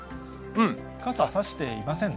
傘、差していませんね。